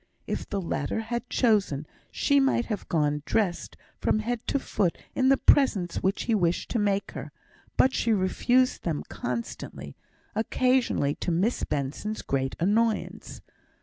If the latter had chosen, she might have gone dressed from head to foot in the presents which he wished to make her, but she refused them constantly; occasionally to Miss Benson's great annoyance.